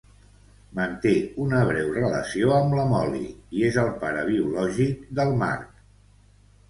Manté una breu relació amb la Molly i és el pare biològic del Mark.